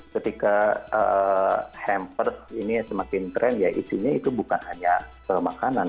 ketika hampers ini semakin trend ya isinya itu bukan hanya makanan